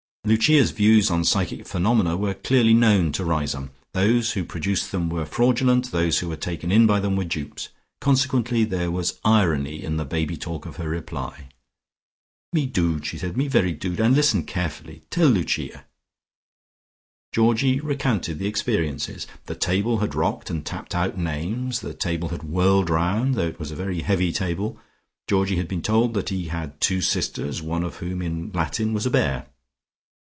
Lucia's views on psychic phenomena were clearly known to Riseholme; those who produced them were fraudulent, those who were taken in by them were dupes. Consequently there was irony in the baby talk of her reply. "Me dood!" she said. "Me very dood, and listen carefully. Tell Lucia!" Georgie recounted the experiences. The table had rocked and tapped out names. The table had whirled round, though it was a very heavy table. Georgie had been told that he had two sisters, one of whom in Latin was a bear.